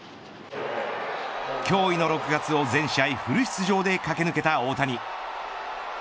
驚異の６月を全試合フル出場で駆け抜けた大谷。